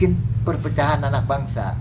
itu pecahan anak bangsa